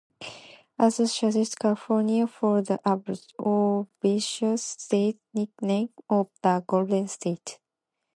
Other suggest California for the obvious state nickname of the "Golden State".